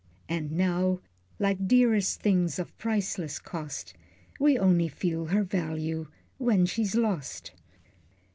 And now, like dearest things of priceless cost, We only feel her value, when she's lost.